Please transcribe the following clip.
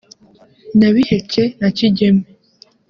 Nyabiheke na Kigeme”